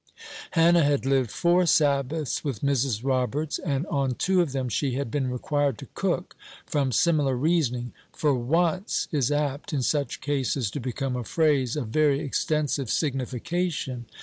Hannah had lived four Sabbaths with Mrs. Roberts, and on two of them she had been required to cook from similar reasoning. "For once" is apt, in such cases, to become a phrase of very extensive signification.